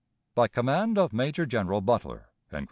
"By command of Major General BUTLER."